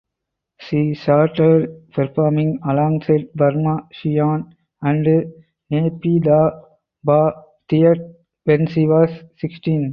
She started performing alongside Burma Sein and Naypyidaw Ba Thet when she was sixteen.